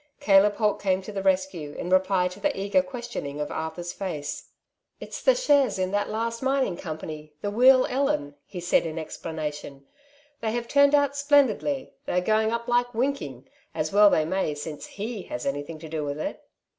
Caleb Holt came to the rescue in reply to the eager questioning of Arthur's face. '^It's the shares in that last mining company, the Wheal Ellen," he said in explanation; "they have turned out splendidly ; they are going up like winking ; as well they may since he has anything to do with it."